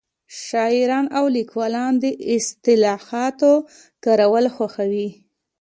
شاعران او لیکوالان د اصطلاحاتو کارول خوښوي